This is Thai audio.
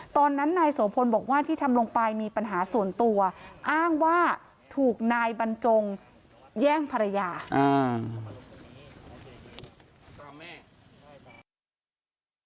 ตอนนั้นนายโสพลบอกว่าที่ทำลงไปมีปัญหาส่วนตัวอ้างว่าถูกนายบรรจงแย่งภรรยาอ่า